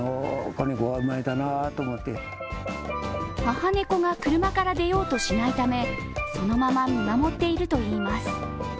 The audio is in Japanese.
母猫が車から出ようとしないためそのまま見守っているといいます。